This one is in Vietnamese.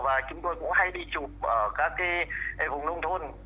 và chúng tôi cũng hay đi chụp ở các cái vùng nông thôn